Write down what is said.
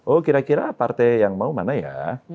oh kira kira partai yang mau mana ya